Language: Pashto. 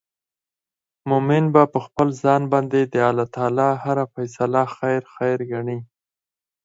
مؤمن به په خپل ځان باندي د الله تعالی هره فيصله خير خير ګڼې